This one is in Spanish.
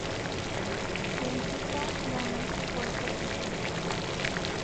Benfica ganó su cuarto título.